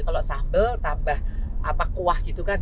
kalau sambal tambah kuah gitu kan